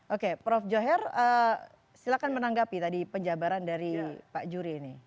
oke prof joher silakan menanggapi tadi penjabaran dari pak juri ini